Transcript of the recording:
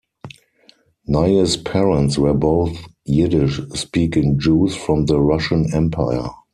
Nye's parents were both Yiddish speaking Jews from the Russian Empire.